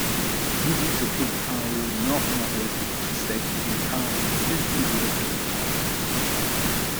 Boudy se trouve à au nord-nord-ouest de Písek et à au sud-sud-ouest de Prague.